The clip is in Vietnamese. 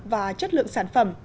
và chất lượng sản phẩm